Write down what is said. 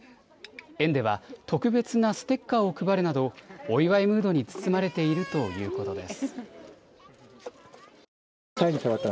園では特別なステッカーを配るなど、お祝いムードに包まれているということです。